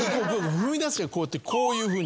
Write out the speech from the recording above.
踏み出すじゃんこうやってこういうふうに。